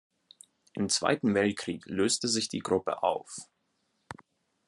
Im Zweiten Weltkrieg löste sich die Gruppe auf.